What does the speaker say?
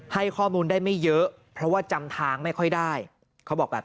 ให้ข้อมูลได้ไม่เยอะเพราะว่าจำทางไม่ค่อยได้เขาบอกแบบ